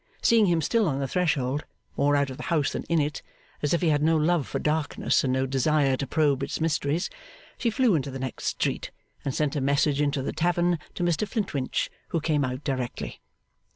Seeing him still on the threshold, more out of the house than in it, as if he had no love for darkness and no desire to probe its mysteries, she flew into the next street, and sent a message into the tavern to Mr Flintwinch, who came out directly.